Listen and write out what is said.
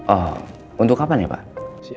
oh untuk kapan ya pak